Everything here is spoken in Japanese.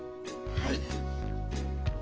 はい。